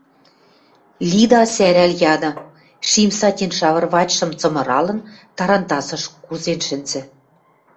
— Лида сӓрӓл яды, шим сатин шавырвачшым цымыралын, тарантасыш кузен шӹнзӹ.